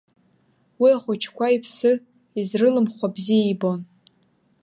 Уи ахәыҷқәа иԥсы изрылымхуа бзиа ибон.